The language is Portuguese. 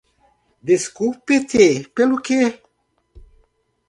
Desculpe-te pelo que?